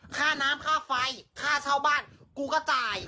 ค่าน้ำค่าไฟค่าเช่าบ้านกูก็จ่าย